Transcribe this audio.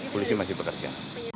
polisi masih bekerja